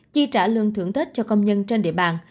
chi trả lương thưởng tết cho công nhân trên địa bàn